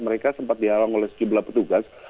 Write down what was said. mereka sempat dihalang oleh segi belah petugas